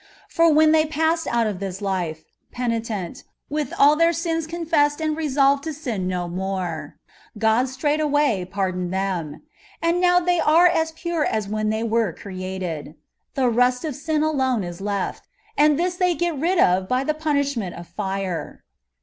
For when they passed out of this life, penitent, with ali their sins confessed and resolved to sin no more, God straightway pardoned them ; and now they are as pure as when they were cre ated ; the rust of sin alone is left, and this they get rid of by the pnnishment of fire.